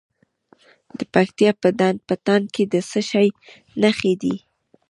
د پکتیا په ډنډ پټان کې د څه شي نښې دي؟